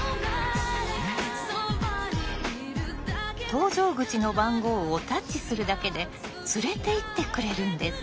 搭乗口の番号をタッチするだけで連れていってくれるんです。